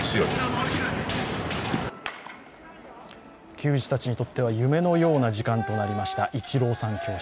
球児たちにとっては夢のような時間となりましたイチローさん教室。